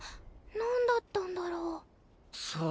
なんだったんだろう？さあ？